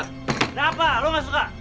kenapa lo gak suka